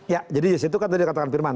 ya jadi gc itu kan tadi katakan firman